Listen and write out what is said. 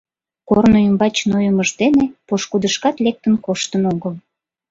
Корно ӱмбач нойымыж дене пошкудышкат лектын коштын огыл.